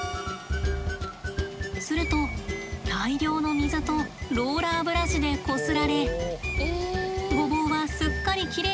すると大量の水とローラーブラシでこすられごぼうはすっかりきれいな状態になります。